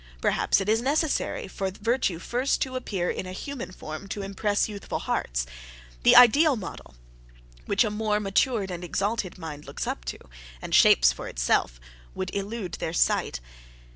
Perhaps it is necessary for virtue first to appear in a human form to impress youthful hearts; the ideal model, which a more matured and exalted mind looks up to, and shapes for itself, would elude their sight.